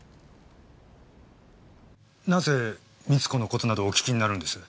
なぜ美津子の事などをお聞きになるんです？